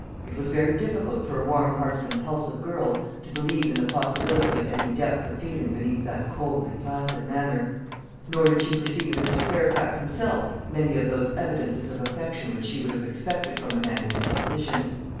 It was very difficult for a warm hearted impulsive girl to believe in the possibility of any depth of feeling beneath that coldly placid manner. Nor did she perceive in Mr. Fairfax himself many of those evidences of affection which she would have expected from a man in his position.